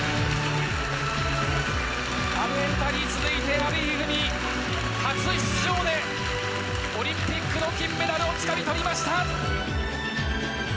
阿部詩に続いて、阿部一二三初出場でオリンピックの金メダルをつかみ取りました。